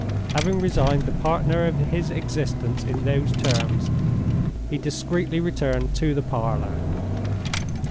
Having resigned the partner of his existence in those terms, he discreetly returned to the parlor.